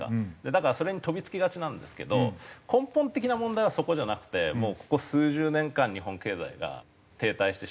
だからそれに飛び付きがちなんですけど根本的な問題はそこじゃなくてここ数十年間日本経済が停滞してしまっている。